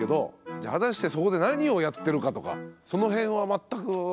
じゃあ果たしてそこで何をやってるかとかその辺は全く私はちょっと分からないですね。